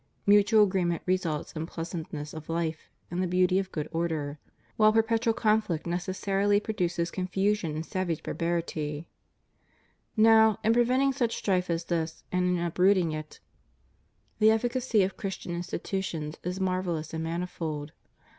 Mutual agreement results in pleasantness of life and the beauty of good order; while perpetual conflict necessarily pro duces confusion and savage barbarity. Now, in prevent ing such strife as this, and in uprooting it, the efficacy * Genesis iu. 17. CONDITION OF THE WORKING CLASSES. 219 of Christian institutions is marvellous and manifold.